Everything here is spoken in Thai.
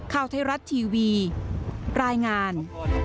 ข่าวไทยรัฐทีวีรายงาน